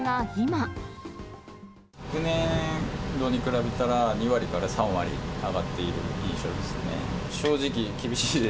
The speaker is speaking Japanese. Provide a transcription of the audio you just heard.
昨年度に比べたら、２割から３割上がっている印象ですね。